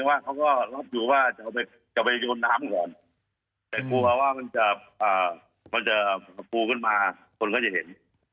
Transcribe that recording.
หมายว่าเค้ารับวิวว่าจะไปโยนน้ำก่อนแต่กลัวว่ามันจะพูดขึ้นมาคนก็จะเห็น